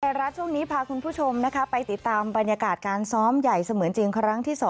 รัฐช่วงนี้พาคุณผู้ชมนะคะไปติดตามบรรยากาศการซ้อมใหญ่เสมือนจริงครั้งที่๒